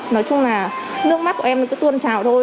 nói chung là nước mắt của em cứ tuôn trào thôi